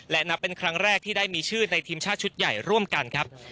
และนับเป็นครั้งแรกที่ได้มีชื่อในทีมชาติชุดใหญ่ร่วมกันครับ